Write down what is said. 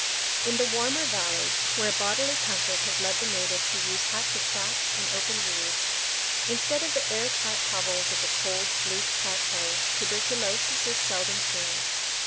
In the warmer valleys, where bodily comfort has led the natives to use huts of thatch and open reeds, instead of the air tight hovels of the cold, bleak plateau, tuberculosis is seldom seen.